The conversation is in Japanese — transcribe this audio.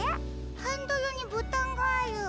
ハンドルにボタンがある。